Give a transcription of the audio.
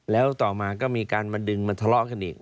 แล้วต่อมาก็มีการมาดึงมาทะเลาะกันอีก